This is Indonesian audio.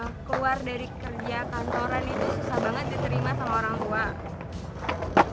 yang keluar dari kerja kantoran itu susah banget diterima sama orang tua